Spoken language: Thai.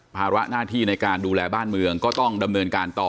ภาระหน้าที่ในการดูแลบ้านเมืองก็ต้องดำเนินการต่อ